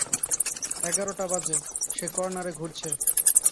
এগারোটা বাজে, সে কর্ণারে ঘুরছে।